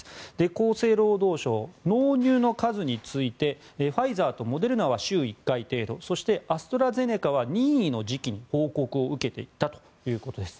厚生労働省、納入の数についてファイザーとモデルナは週１回程度そしてアストラゼネカは任意の時期に報告を受けていたということです。